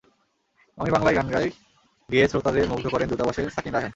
আমি বাংলাই গান গাই গেয়ে শ্রোতাদের মুগ্ধ করেন দূতাবাসের সাকিন রায়হান।